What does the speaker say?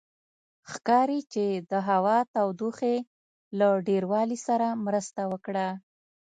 ښکاري چې د هوا تودوخې له ډېروالي سره مرسته وکړه.